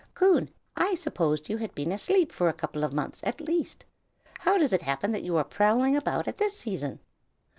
"Coon, I supposed you had been asleep for a couple of months, at least. How does it happen that you are prowling about at this season?"